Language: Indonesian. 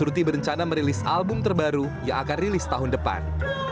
turti berencana merilis album terbaru yang akan rilis tahun depan